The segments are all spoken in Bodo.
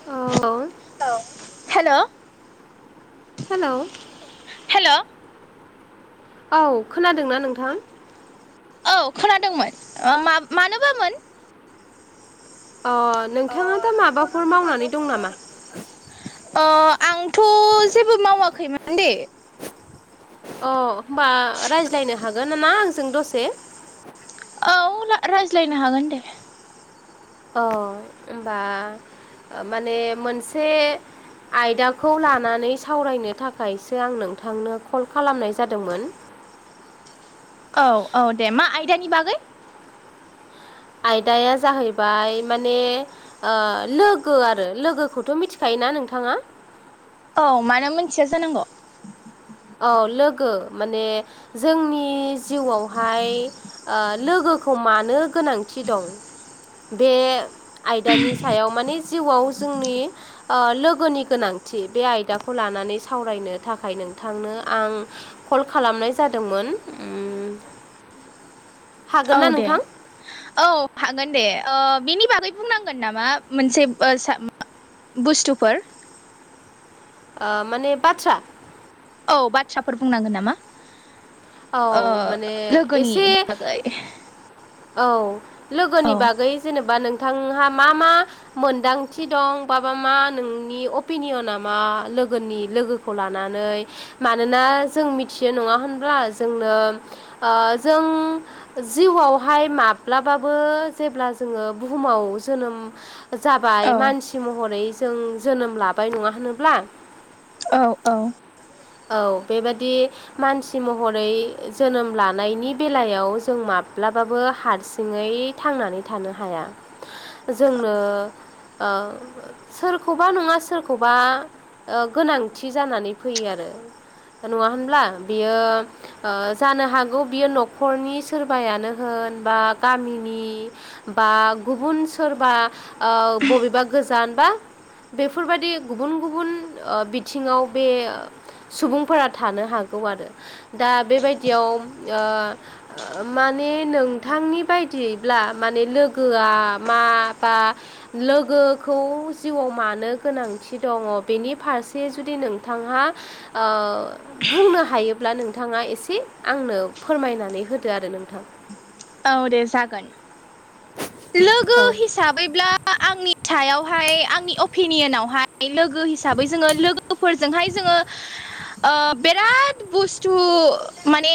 औ औ हेलौ हेल' हेलौ औ खोनादोंना नोंथां औ खोनादोंमोन ओ मा-मानोबामोन अ नोंथाङा दा माबाफोर मावनानै दं नामा? अ आंथ' जेबो मावाखैमोन दे अ होनबा रायज्लायनो हागोन नामा आंजों दसे औ रा-रायज्लायनो हागोन दे औ ओमबा माने मोनसे आयदाखौ लानानै सावरायनो थाखायसो आं नोंथांनो कल खालामनाय जादोंमोन औ औ दे मा आयदानि बागै आयदाया जाहैबाय माने ओ लोगो आरो लोगोखौथ' मिथिखायोना नोंथाङा? औ मानो मोनथिया जानांगौ औ लोगो माने जोंनि जिउआवहाय ओ लोगोखौ मानो गोनांथि दं बे आयदानि सायाव माने जिउआव जोंनि ओ लोगोनि गोनांथि बे आयदाखौ लानानै सावरायनो थाखाय नों थांनो आं कल खालामनाय जादोंमोन उम हागोन औ ना दे नोंथां औ हागोन दे ओ बेनि बागै बुंनांगोन नामा मोनसे ओ सा बुस्थुफोर आ माने बाथ्रा औ बाथ्राफोर बुंनांगोन नामा? औ आ माने लोगोनि एसे बागाय औ लोगोनि बागै जेनेबा नोंथांहा मा मा? मोनदांथि दं बाबा मा नोंनि अपिनियना मा लोगोनि लोगो खौ लानानै मानोना जों मिथियो नङा होनब्ला जोंनो ओ जों जिउआवहाय माब्लाबाबो जेब्ला जोङो बुहुमाव जोनोम जाबाय औ मानसि महरै जों जोनोम लाबाय नङा होनोब्ला औ औ औ बेबादि मानसि महरै जोनोम लानायनि बेलायाव जों माब्लाबाबो हारसिङै थांनानै थानो हाया जोंनो ओ सोरखौबा नङा सोरखौबा ओ गोनांथि जानानै फैयो आरो नङा होनब्ला बियो ओ जानो हागौ बियो न'खरनि सोरबायानो होन बा गामिनि बा गुबुन सोरबा बबेबा गोजान बा बेफोरबादि गुबुन गुबुन बिथिङाव बे सुबुंफोरा थानो हागौ आरो दा बेबायदियाव ओ माने नोंथांनि बायदियैब्ला माने लोगोआ मा बा लोगोखौ जिउआव मानो गोनांथि दङ बेनि फारसे जुदि नोंथांहा ओ बुंनो हायोब्ला नोंथाङा एसे आंनो फोरमायनानै होदो आरो नोंथां। औ दे जागोन। लोगो औ हिसाबैब्ला आंनि सायावहाय आंनि अपिनियनावहाय लोगो हिसाबै जोङो लोगोफोरजोंहाय जोङो बिराद बुस्थु माने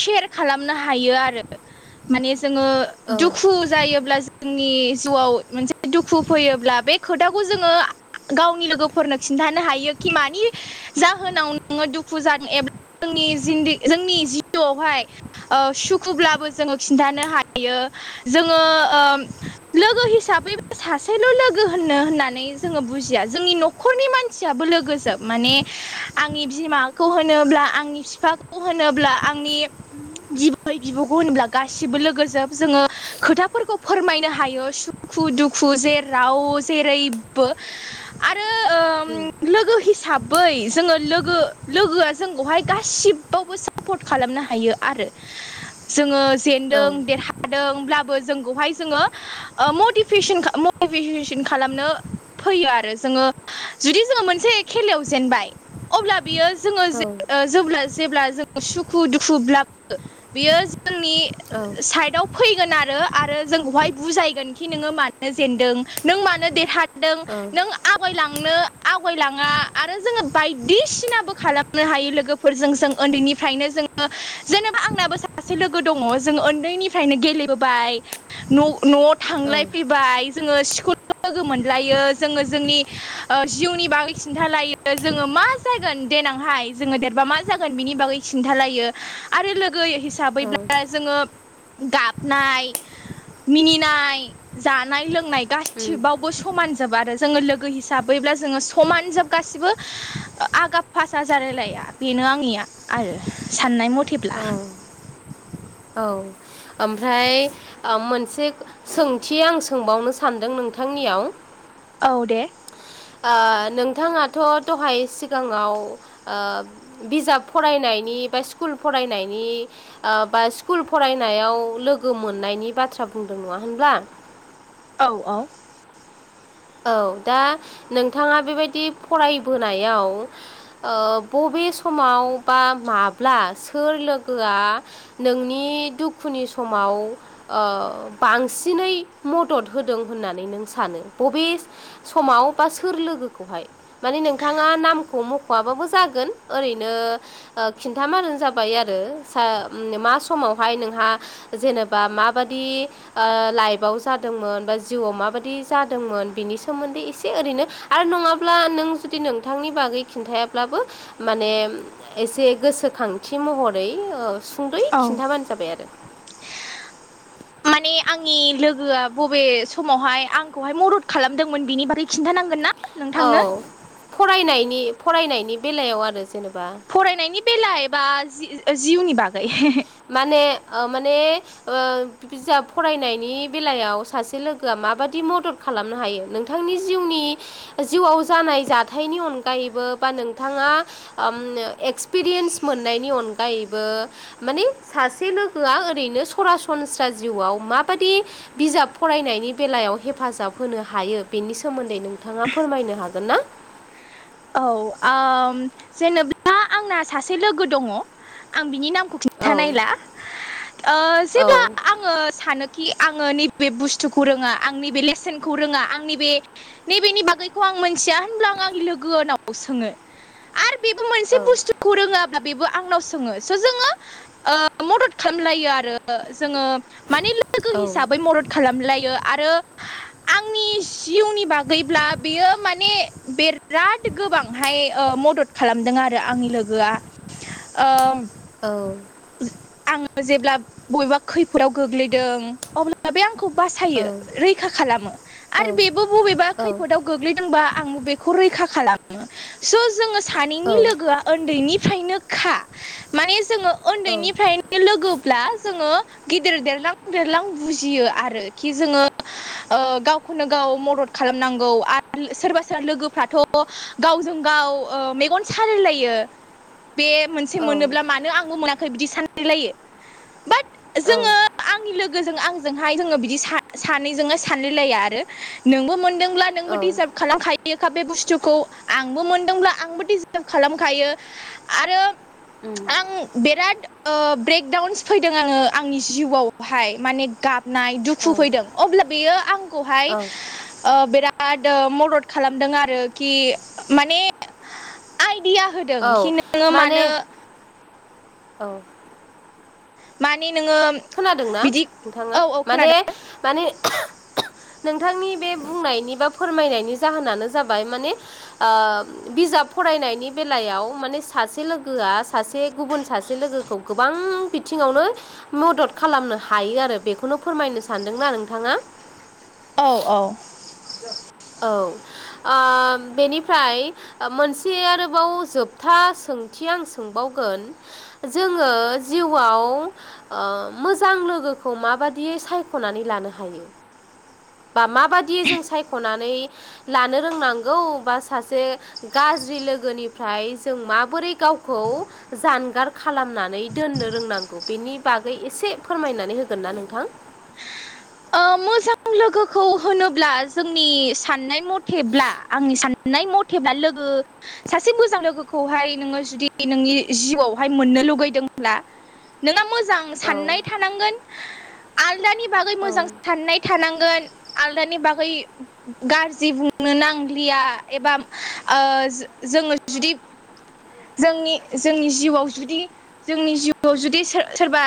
सेयार खालामनो हायो आरो मान जो औ दुखु जायोब्ला जोंनि जिउआव मोनसे दुखु फैयोब्ला बे खोथाखौ जोङो गावनि लोगोफोरनो खिन्थानो हायो खि मानि जाहोनाव नोङो दुखु ज एबा जोंनि जोंनि जि जिआवहाय सुखुब्लाबो जोङो खिन्थानो हायो जोङो लोगो हिसाबै सासेल' लोगो होननो होननानै जोङो बुजिया जोंनि न'खर न'खरनि मानसियाबो लोगोज माने आंनि बिमाखौ होनोब्ला आंनि बिफाखौ होनोब्ला आंनि बिबै बिबौखौ होनोब्ला गासिबो लोगोजोब जोङो खोथाफोरखौ फोरमायनो हायो सुखु दुखु जेराव जेरैबो आरो लोगो हिसाब बै जोङो लोगो लोगोआ जोंखौहाय गासिबावबो सापर्ट खालामनो हायो आरो। [inaudible] जोङो औ जेेनदों देरहादोंब्लाबो जोंखौहाय जोङो मटिभेसन मटिभेसन खालामनो फैयो आरो जोङो जुदि जोङो मोनसे खेलायाव जेनबाय अब्ला बियो जोङो जेब्ला जेब्ला जों सुखु दुखुब्लाबोबो बेयो जोंनि औ साइदाव फैगोन आरो आरो जोंखौहाय बुजायगोनखि नोङो मानो जेनदों नों मानो देरह [inaudible] आवगायलांनो आवगायलाङा आरो जोङो बायदिसिनाबो खालामनो हायो लोगोफोर फोरजों जों उन्दैनिफ्रायनो जोङो जेनेबा आंनाबो सासे लोगो दङ जों उन्दैनिफ्रायनो गेले न'आव औ थांलाय फैबाय जोङो स्कुल लोगो मोनलायो जोङो जोंनि जिउनि बागै खिन्थालायो जोङो मा देनांहाय जोङ देरबा मा जागोन बिनि बैथा औ हिसाबैब्ला जोङो गाब मिनिनाय जानाय लोंनाय औ गासिबावबो समानजोब आरो जोङो लोगो हिसाबैब्ला जोङो समान जोब गासिबो आगाब पााससा ज रायलाया बेनो आंनिया आरो साननाय मथेब औ औ ओमफ्राय मोनसे सोंथि आं सोंबावनो सानदों नोंथांनियाव औ दे। नोंथाङाथ' दहाय सिगाङाव बिजाब फरायनायनि बा स्कुल फरायनायनि बा स्कुल फरायनायाव लोगो मोननायनि बाथ्रा बुंदों नङा होनब्ला औ औ। औ दा नोंथाङा बेबायदि फरायबोनायाव ओ बबे समाव बा माब्ला सोर लोगोआ नोंनि दुखुनि समाव बांसिनै मदद होदों होननानै नों सानो बबे समाव बा सोर लोगोखौहाय माने नोंथाङा नामखौ मख'आबाबो जागोन ओरैनो खिन्थ मारानो जाबाय आरो मा समावहाय नोंहा जेनेबा माबादि लाइफआव जादोंमोन बा जिउआव माबादि जादों दोंमोन बिनि सोमोन्दै एसे ओरैनो आरो नङाब्ला नों जुदि नोंथांनि बागै खिन्थायाब्लाबो माने एसे गोसोखांथि महरै सुंद'य औ खिन्थाबानो जाबाय आरो माने आंनि लोगोआ बबे समावहाय आंखौहाय मदद खालामदोंमोन बिनि बागै खिन्थानांगोन ना नोंथांनो औ फरायनायनि फरायनायनि बेलायाव आरो जेनेबा फरायनायनि बेला एबा जिउनि बागै माने ओ माने ओ बिजाब फरायनायनि बेलायाव सासे लोगोआ माबादि मदद खालामनो हायो नोंथांनि जिउनि जिउआव जानाय जाथायनि अनगायैबो बा नोंथाङा एक्सपिरियेन्स मोननायनि अनगायैबो माने सासे लोगोआ ओरैनो सरासनस्रा जिउआव माबादि बिजाब फरायनायनि बेलायाव हेफाजाब होनो हायो बेनि सोमोन्दै नोंथाङा फोरमायनो हागोन ना औ जेनेा आंना सासे लोगो दङ आं बिनि नामखौ औ खिन्थानायला औ जेब्ला आङो सानो कि आङो नैबे बुस्थुखौ रोङा आंनि बेे लेसेनखौ रोङा आंनि बे नैबेनि बागैखौ आं मोनथिया होनब्ला आं आंनि लोगनाव सोङो आरो बेबो मोनसे औ बुस्थु खौ रोङाब्ला बेबो आंनाव सोङो स जोङो मदद खालामलायो आरो जोङो माने लोगो औ हिसाबै मदद खालामलायो आरो आंनि जिउनि बाग गैब्ला बियो माने बिराद गोबांहाय मदद खालामदों आरो आरो आंनि लोगोआ औ आङो जेब्ला बबेबा खैफोदाव गोग्लैदों अब्ला माब बे आंखौ औ बासायो रैखा खालामो आरो बेबो बबेबा औ खैफोदाव गोग्लैदोंबा आं बेखौ रैखा खालामो स' जोङो सानैनि औ लोगोआ उन्दैनिफ्रायनो खा माने जोङो औ उन्दैनिफ्रायनो लोगो्ला जोङो गिदिर देरलां देरलां बुजियो आरो खि जोङो गावखौनो गाव मदद खालामनांगौ आरो सोरबा सोर लोगोफ्राथ' गावजों गाव मेगन सालायलायो बे मोनसे औ मोनोब्ला मानो आंबो मोनाखै बिदि सानललायो बाट औ जोङो आंनि लोगोजों आंजोंहाय जोङो बिदि सानैजोंनो सानलायलाया आरो नोंबो मोनदोंब्ला औ नोंबो दिजार्भ खालामखायो बे बुस्थुखौ आंबो मोनदोंब्ला आंबो डिजार्भ खालामखायो आरो उम आं बिराद ब्रेकडाउन्स फैदों आङो आंनि जिउआवहाय माने गाबनाय औ दुखु फैदों अब्ला बेयो आंखौहाय औ ओ बिराद बिराद मदद खालामदों आरोखि माने आइदिया होदों औ खि नोङो माने मानो औ माने नोङो खोनादोंना बिदि नोंथाङा औ औ माने खोनादों माने नोंथांनि बे बुंनायनि बा फोरमायनायनि जाहोनानो जाबाय माने ओ बिजाब फरायनायनि बेलायाव माने सासे लोगोआ सासे गुबुन सासे लोगोखौ गोबां बिथिङावनो मदद खालामनो हायो आरो बेखौनो फोरमायनो सानदोंना नोंथाङा? औ औ औ ओ बेनिफ्राय ओ मोनसे आरोबाव जोबथा सोंथि आं सोंबावगोन जोङो जिउआव ओ मोजां लोगोखौ माबादियै सायख'नानै लानो हायो? बा माबादि जों सायख'नानै लानो रोंनांगौ बा सासे गाज्रि लोगोनिफ्राय जों माबोरै गावखौ जानगार खालामनानै दोननो रोंनांगौ बेनि बागै एसे फोरमायनानै होगोन ना नोंथां? ओ मोजां लोगोखौ होनोब्ला जोंनि साननाय मथेब्ला आंनि सान नाय मथेल्बा लोगो सासे मोजां लोगोखौहाय नोंङो जुदि नोंनि जिउआवहाय मोननो लुगैदोंब्ला नोंना मोजां औ साननाय थानांगोन। आलदानि बागै औ मोजां साननाय थानांगोन आलदानि बागै गाज्रि बुंनो नांलिया एबा ओ जोंङो जुदि जोंनि जोंनि जिउआव जुदि जोंनि जिउआव जुदि सो सोरबा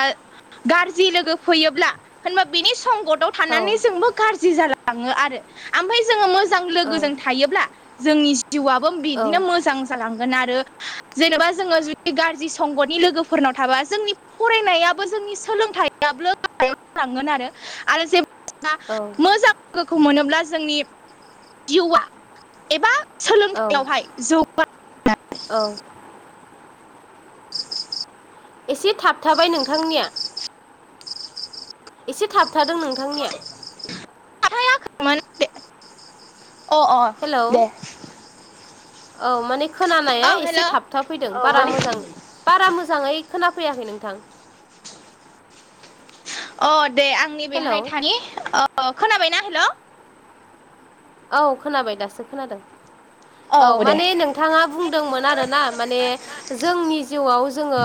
गाज्रि लोगो फैयोब्ला होनबा बिनि संगत औ थनानै जोंबो गाज्रि जालाङो आरो ओमफ्राय जों मो मोजां लोगोजों थायोब्ला जोंनि जिउआबो औ बिदिनो मोजां जालांगोन आरो जेनेबा जोङो जुदि गाज्रि संग'नि लोगोफोरनाव थाबा जोंनि फरायनायाबो जोंनि सोलोंथाइयाबो आवगायलांगोन आरो आरो जे औ मोजां लोगोखौ मोनोब्ला जोंनि जिउआ एबा औ सोलोंथाइयावहाय जौगानाय औ एसे थाबथाबाय नोंथांनिया एसे थाबथादों नोंथांनिया [unintelligible] अ अ हेलौ दे औ माने खोनानाया औ हेल' एसे अ थाबथा फैदों बारा मोजां बारा मोजाङै खोनाफैयाखै नोंथां। अ दे आंनि हेलौ बेहाय थानि खोनाबायना हेल' औ खोनाबाय दासो खोनादों औ माने नों थाङा बुंदोंमोन आरोना माने जोंनि जिउआव जोंङो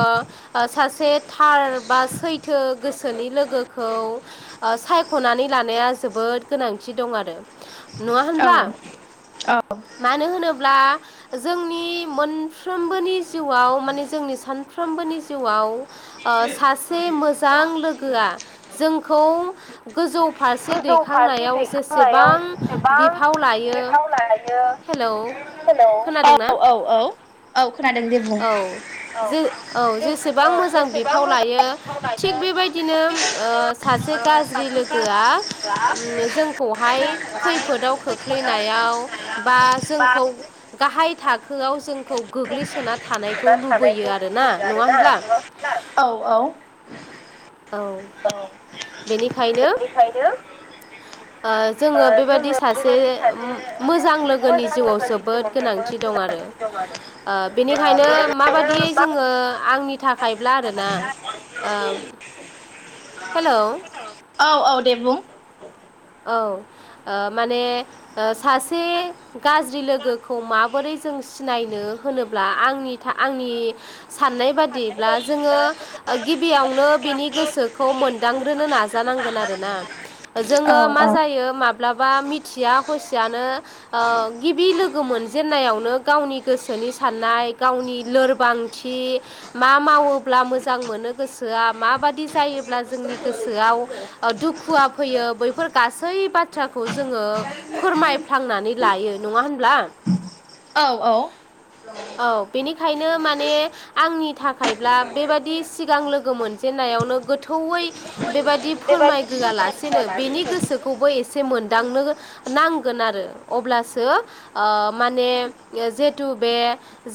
सासे थार बा सैथो गोसोनि लोगोखौ ओ सायख'नानै लानाया जोबोद गोनांथि दं आरो नुङा औ होनब्ला औ मानो होनोब्ला जोंनि मोनफ्रोमबोनि जिउआव माने जोंनि सानफ्रोमबोनि जिउआव ओ सासे मोजां लोगोआ जोंखौ गोजौ फारसे दैखांनायाव जेसेबां बिफाव लायो। हेलौ खोनादों ना? औ औ औ औ खोनादों दे बुं औ जे औ जेसेबां मोजां बिफाव लायो थिग बेबायदिनो सासे गाज्रि लोगोआ जोंखौहाय खैफोदाव खोख्लैनायाव बा जोंखौ गाहाय थाखोआव जोंखौ गोग्लैसोना थानायखौ लुबैयो आरो ना नङा होनब्ला औ औ औ बेनिखायनो जोंङो बेबायदि सासे मोजां लोगोनि जिउआव जोबोद गोनांथि दं आरो बेनिखायनो माबादियै जोंङो आंनि थाखायब्ला आरो ना ओ हेलौ औ औ दे बुं? औ ओ माने सासे गाज्रि लोगोखौ माबोरै जों सिनायनो होनोब्ला आंनि आंनि साननाय बादिब्ला जोङो गिबियावनो बिनि गोसोखौ मोनदांग्रोनो नाजानांगोन आरो ना जोङो औ औ यो माब्लाबा मिथिया हसियानो ओ गिबि लोगो मोनजेनन्नायावनो गावनि गोसोनि साननाय गावनि लोरबां थि मा मावोब्ला मोजां मोनो गोसोआ माबादि जायोब्ला जोंनि गोसोआव दुखुवआ फैयो बैफोर गासै बाथ्राखौ जोङो फोरमायफ्लांनानै लायो नङा होनब्ला? औ औ। औ बेनिखायनो माने आंनि थाखाय ब्ला बेबादि सिगां लोगो मोनजेनन्नायावनो गोथौयै बेबायादि फोरमायगोआ लासेनो बेनि खौबो एसे मोनदांनो नांगोन आरो अब्लासो आ माने जिहेथु बे